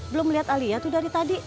belum liat alia tuh dari tadi